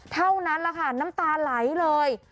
เท่านั้นแหละค่ะน้ำตาไหลเลย